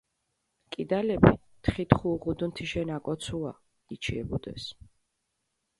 კიდალეფი თხითხუ უღუდუნ თიშენ აკოცუა, იჩიებუდეს.